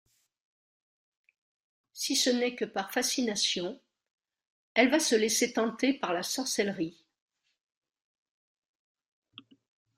Si ce n’est que par fascination, elle va se laisser tenter par la sorcellerie.